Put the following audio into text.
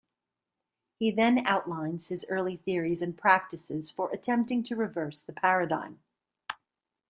He then outlines his early theories and practices for attempting to reverse the paradigm.